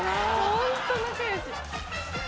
ホント仲良し。